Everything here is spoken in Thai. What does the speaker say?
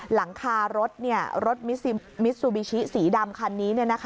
หลังคารถรถมิซูบิชิสีดำคันนี้